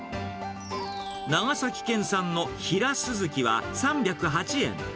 長崎県産のヒラスズキは３０８円。